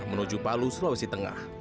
menuju palu sulawesi tengah